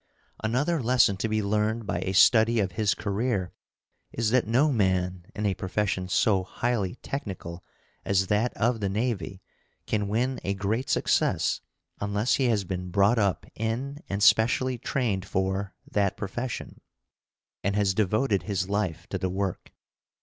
Another lesson to be learned by a study of his career is that no man in a profession so highly technical as that of the navy can win a great success unless he has been brought up in and specially trained for that profession, and has devoted his life to the work.